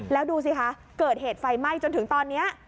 แล้วดูสิคะเกิดเหตุไฟไหม้จนถึงตอนนี้